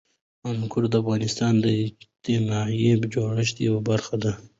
انګور د افغانستان د اجتماعي جوړښت یوه برخه ده.